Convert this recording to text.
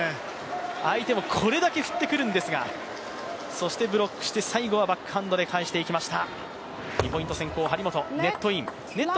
相手のこれだけ振ってくるんですが、そしてブロックして、最後はバックハンドで返してきました。